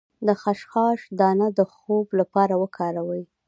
د خشخاش دانه د خوب لپاره وکاروئ